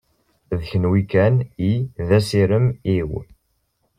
D kenwi kan i d asirem-iw.